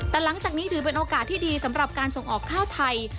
แต่หลังจากนี้ถือเป็นโอกาสที่ดีสำหรับการส่งออกข้าวไทย